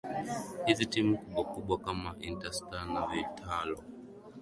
hizi timu kubwa kubwa kama inter star au vitalo